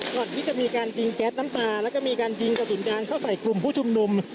ก่อนที่จะมีการยิงแก๊สน้ำตาแล้วก็มีการยิงกระสุนยางเข้าใส่กลุ่มผู้ชุมนุม